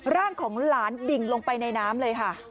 ร่างของหลานดิ่งลงไปในน้ำเลยค่ะ